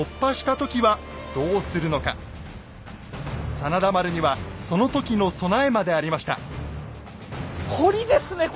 真田丸にはその時の備えまでありました。